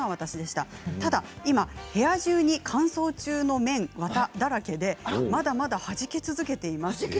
ただ今、部屋中に乾燥中の綿綿だらけでまだまだはじき続けています。